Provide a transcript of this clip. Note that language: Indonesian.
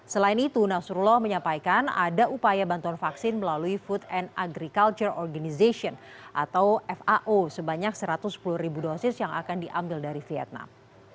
selain itu nasrullah menyampaikan ada upaya bantuan vaksin melalui food and agriculture organization atau fao sebanyak satu ratus sepuluh ribu dosis yang akan diambil dari vietnam